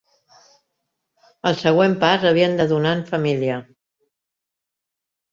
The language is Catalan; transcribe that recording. El següent pas l'havien de donar en família.